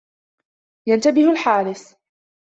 يَنْتَبِهُ الْحارِسُ.